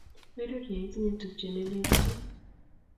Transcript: Berur ya itinye tupche ne lekitun